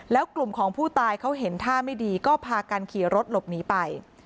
แล้วกลุ่มของผู้ตายเขาเห็นท่าไม่ดีก็พากันขี่รถหลบหนีไป